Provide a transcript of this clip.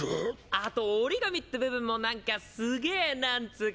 あと折紙って部分もなんかすげぇなんつーか。